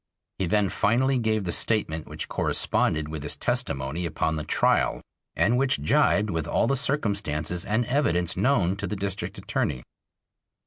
He then finally gave the statement which corresponded with his testimony upon the trial and which jibed with all the circumstances and evidence known to the District Attorney.